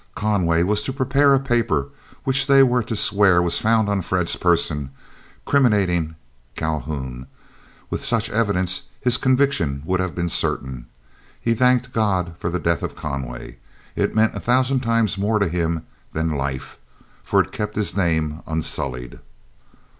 Conway was to prepare a paper which they were to swear was found on Fred's person, criminating Calhoun. With such evidence his conviction would have been certain. He thanked God for the death of Conway. It meant a thousand times more to him than life, for it kept his name unsullied.